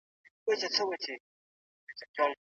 تاريخ پوه د فرانسې او امريکا انقلابونو ته لېواله دی.